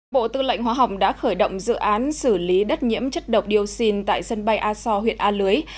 bộ tư lệnh hóa học đã khởi động dự án xử lý đất nhiễm chất độc dioxin tại sân bay aso huyện a lưới